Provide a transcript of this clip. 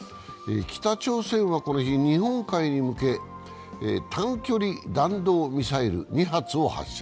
北朝鮮はこの日、日本海に向け、短距離弾道ミサイル２発を発射。